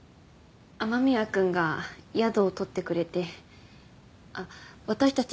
雨宮君が宿を取ってくれてあっ私たち